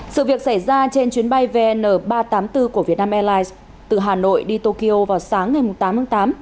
sự việc xảy ra trên chuyến bay vn ba trăm tám mươi bốn của vietnam airlines từ hà nội đi tokyo vào sáng ngày tám tháng tám